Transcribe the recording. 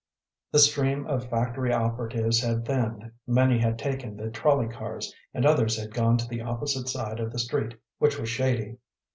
The stream of factory operatives had thinned; many had taken the trolley cars, and others had gone to the opposite side of the street, which was shady.